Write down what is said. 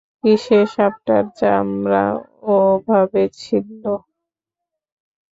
কীসে সাপটার চামড়া ওভাবে ছিললো?